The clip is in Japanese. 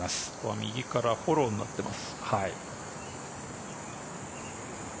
右からフォローになっています。